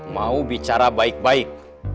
mau bicara baik baik